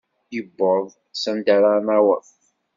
Iwweḍ s anda ara naweḍ.